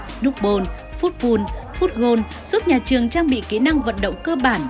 snoopball football football giúp nhà trường trang bị kỹ năng vận động cơ bản